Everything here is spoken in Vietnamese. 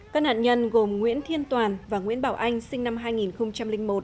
các nạn nhân gồm nguyễn thiên toàn và nguyễn bảo anh sinh năm hai nghìn một